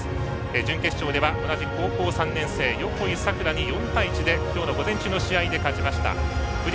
準決勝では同じ高校３年生横井咲桜に４−１で今日の午前中の試合で勝ちました。